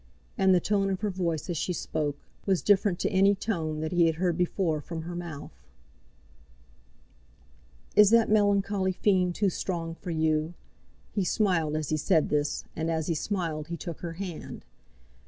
And the tone of her voice, as she spoke, was different to any tone that he had heard before from her mouth. "Is that melancholy fiend too strong for you?" He smiled as he said this, and as he smiled, he took her hand.